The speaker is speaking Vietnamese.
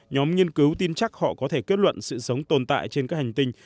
nhóm nghiên cứu tin chắc họ có thể kết luận sự sống tồn tại trên các hành tinh